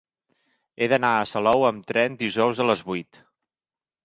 He d'anar a Salou amb tren dijous a les vuit.